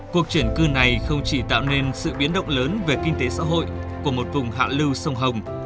cuộc chuyển cư này không chỉ tạo nên sự biến động lớn về kinh tế xã hội của một vùng hạ lưu sông hồng